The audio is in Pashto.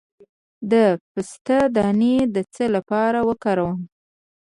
د پسته دانه د څه لپاره وکاروم؟